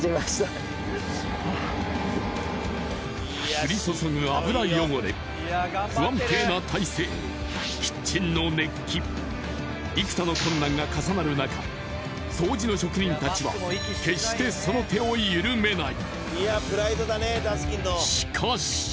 降り注ぐ油汚れ、不安定な体勢、キッチンの熱気、幾多の困難が重なる中、掃除の職人たちは決してその手を緩めない。